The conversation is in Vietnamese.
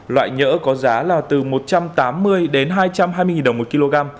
loại nhỡ có giá là từ một trăm tám mươi đến hai trăm hai mươi đồng một kg